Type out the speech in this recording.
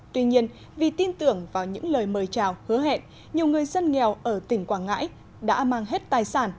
tuy nhiên vì tin tưởng vào những lời mời chào hứa hẹn nhiều người dân nghèo ở tỉnh quảng ngãi đã mang hết tài sản